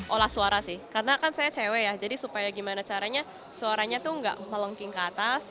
olah suara sih karena kan saya cewe ya jadi supaya gimana caranya suaranya tuh gak melengking ke atas